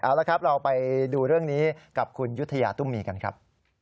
เอาละครับเราไปดูเรื่องนี้กับคุณยุธยาตุ้มมีกันครับ